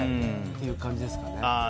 そういう感じですかね。